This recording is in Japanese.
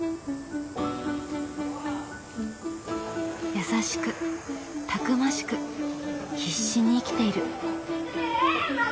優しくたくましく必死に生きている。